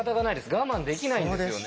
我慢できないんですよね。